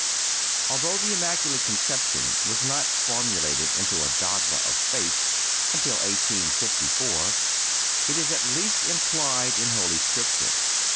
Although the Immaculate Conception was not formulated into a dogma of faith till 1854, it is at least implied in Holy Scripture.